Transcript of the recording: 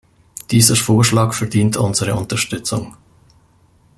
Dieser Vorschlag verdient unsere Unterstützung.